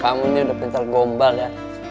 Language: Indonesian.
kamu ini udah pintar gombal ya